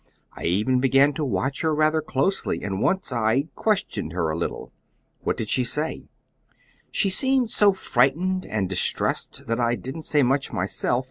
I even began to watch her rather closely, and once I questioned her a little." "What did she say?" "She seemed so frightened and distressed that I didn't say much myself.